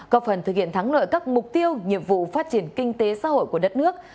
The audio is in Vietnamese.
có phần thực hiện thắng lợi các mục tiêu nhiệm vụ phát triển kinh tế xã hội của đất nước